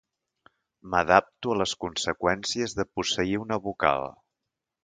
M'adapto a les conseqüències de posseir una vocal.